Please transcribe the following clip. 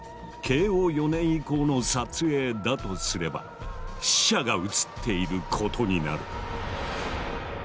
慶応４年以降の撮影だとすれば死者が写っていることになる。